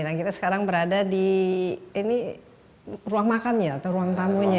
dan kita sekarang berada di ini ruang makan ya atau ruang tamunya ya